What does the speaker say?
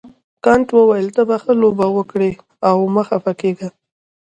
کانت وویل ته به ښه لوبه وکړې او مه خفه کیږه.